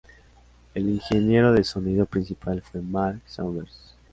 El ingeniero de sonido principal fue Mark Saunders.